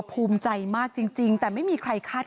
ปี๖๕วันเช่นเดียวกัน